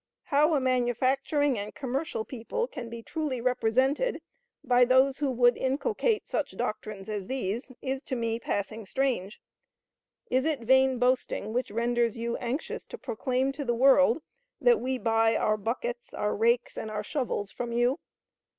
How a manufacturing and commercial people can be truly represented by those who would inculcate such doctrines as these, is to me passing strange. Is it vain boasting which renders you anxious to proclaim to the world that we buy our buckets, our rakes, and our shovels from you?